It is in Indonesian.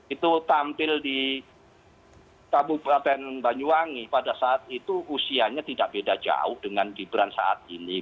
itu tampil di kabupaten banyuwangi pada saat itu usianya tidak beda jauh dengan gibran saat ini